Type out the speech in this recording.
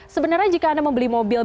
sebenarnya jika anda membeli mobil